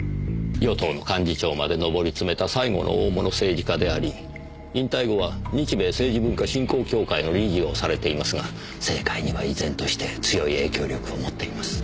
与党の幹事長までのぼりつめた最後の大物政治家であり引退後は日米政治文化振興協会の理事をされていますが政界には依然として強い影響力を持っています。